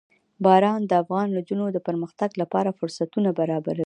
باران د افغان نجونو د پرمختګ لپاره فرصتونه برابروي.